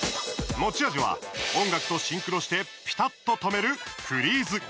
持ち味は、音楽とシンクロしてぴたっと止める、フリーズ。